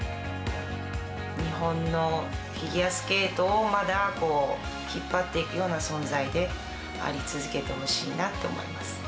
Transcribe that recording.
日本のフィギュアスケートをまだ引っ張っていくような存在であり続けてほしいなって思います。